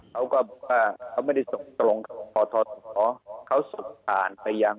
เขาก็ว่าเขาไม่ได้ส่งตรงพศเขาส่งผ่านไปยัง